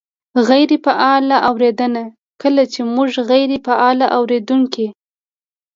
-غیرې فعاله اورېدنه : کله چې مونږ غیرې فعال اورېدونکي